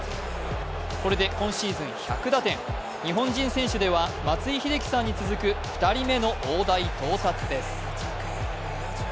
これで今シーズン１００打点、日本人選手では松井秀喜さんに続く２人目の大台到達です。